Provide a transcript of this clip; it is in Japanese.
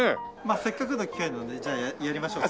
せっかくの機会なのでじゃあやりましょうか。